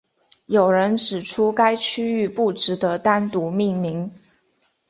有人指出该区域不值得单独命名。